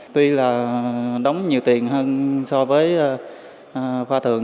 tuy là đóng nhiều tiền hơn so với khoa thường